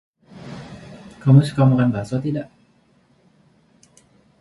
Kamu suka makan bakso, tidak?